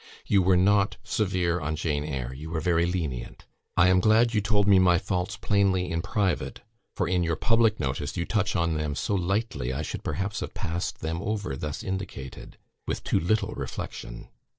You were not severe on 'Jane Eyre;' you were very lenient. I am glad you told me my faults plainly in private, for in your public notice you touch on them so lightly, I should perhaps have passed them over thus indicated, with too little reflection.